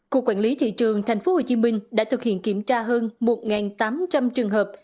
cục quản lý thị trường tp hcm đã thực hiện kiểm tra hơn một tám trăm linh trường hợp